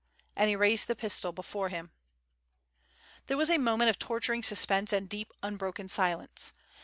And he raised the pistol before him. There was a moment of torturing suspense and deep, unbroken silence.